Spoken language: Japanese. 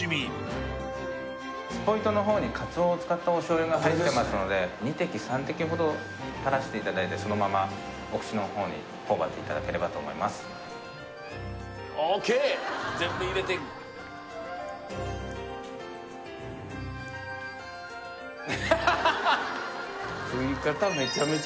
・スポイトのほうにカツオを使ったお醤油が入ってますので２滴３滴ほど垂らしていただいてそのままお口のほうにほおばっていただければと思いますＯＫ全部入れてハハハハッ